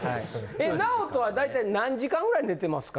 ＮＡＯＴＯは大体何時間ぐらい寝てますか？